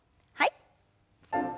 はい。